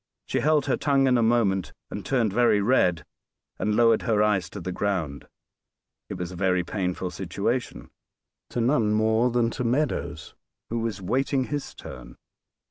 She held her tongue in a moment, and turned very red, and lowered her eyes to the ground. It was a very painful situation to none more than to Meadows, who was waiting his turn.